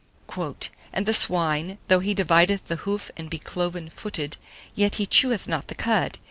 "And the swine, though he divideth the hoof and be cloven footed, yet he cheweth not the cud.